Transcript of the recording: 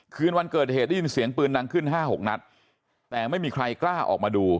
คืนวันเกิดเหตุได้ยินเสียงปืนดังขึ้นห้าหกนัดแต่ไม่มีใครกล้าออกมาดู